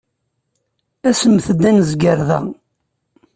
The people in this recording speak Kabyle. Asemt-d ad nezger da.